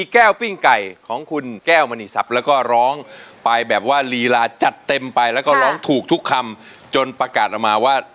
แก้วปิ้งไก่ของคุณแก้วมณีทรัพย์แล้วก็ร้องไปแบบว่าลีลาจัดเต็มไปแล้วก็ร้องถูกทุกคำจนประกาศออกมาว่า